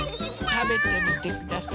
たべてみてください。